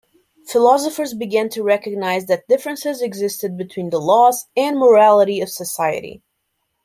Philosophers began to recognize that differences existed between the laws and morality of society.